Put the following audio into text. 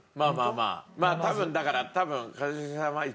まあ多分だから。